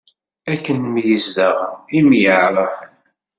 Akken myezdaɣen, ay myaɛṛafen.